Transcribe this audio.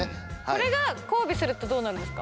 これが交尾するとどうなるんですか？